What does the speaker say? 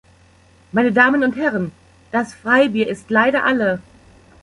Meine Damen und Herren, das Freibier ist leider alle!